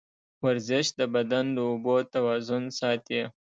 ورزش د بدن د اوبو توازن ساتي.